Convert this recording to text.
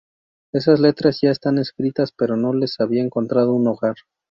Esas letras ya estaban escritas, pero no les había encontrado un hogar.